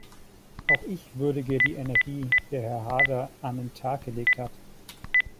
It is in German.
Auch ich würdige die Energie, die Herr Haarder an den Tag gelegt hat.